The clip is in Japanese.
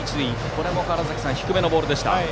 これも低めのボールでした。